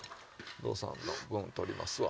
堂さんの分取りますわ。